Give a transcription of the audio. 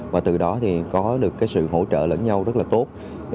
và từ đó thì có được cái sự hỗ trợ lẫn nhau rất là tốt